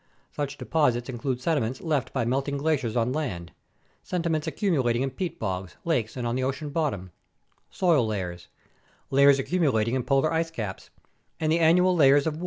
Such de posits include sediments left by melting glaciers on land; sediments accumulating in peat bogs, lakes, and on the ocean bottom; soil layers; layers accumulating in polar ice caps; and the annual layers of wood formed in growing trees.